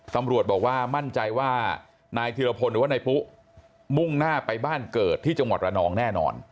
ตำรวจบอกว่ามั่นใจว่านายธิรพลหรือว่านายปุ๊มุ่งหน้าไปบ้านเกิดที่จังหวัดระนองแน่นอน